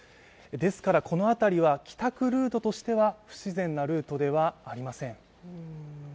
ですからこの辺りは帰宅ルートとしては不自然なルートではありません。